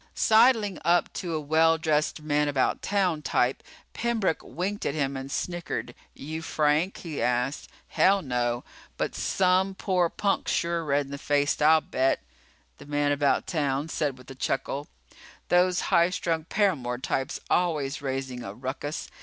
Sidling up to a well dressed man about town type, Pembroke winked at him and snickered. "You Frank?" he asked. "Hell, no. But some poor punk's sure red in the face, I'll bet," the man about town said with a chuckle. "Those high strung paramour types always raising a ruckus.